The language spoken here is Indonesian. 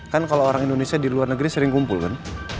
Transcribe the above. kan kalau orang indonesia di luar negeri sering kumpul kan